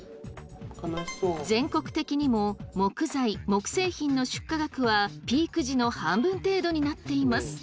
全国的にも木材・木製品の出荷額はピーク時の半分程度になっています。